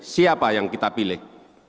siapa yang kita pilih